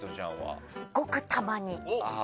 あぁごくたまに。